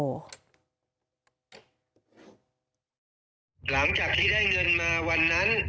หลังจากที่ได้เงินมาวันนั้น